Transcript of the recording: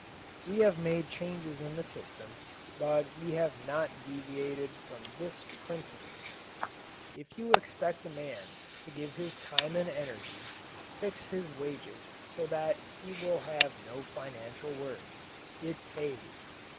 We have made changes in the system, but we have not deviated from this principle: If you expect a man to give his time and energy, fix his wages so that he will have no financial worries. It pays.